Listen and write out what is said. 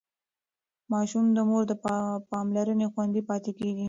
ماشوم د مور له پاملرنې خوندي پاتې کېږي.